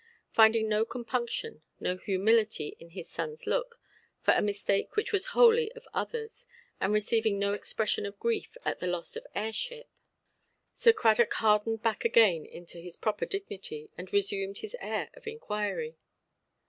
Finding no compunction, no humility in his sonʼs look, for a mistake which was wholly of others, and receiving no expression of grief at the loss of heirship, Sir Cradock hardened back again into his proper dignity, and resumed his air of inquiry.